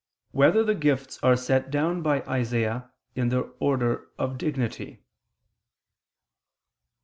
7] Whether the Gifts Are Set Down by Isaias in Their Order of Dignity?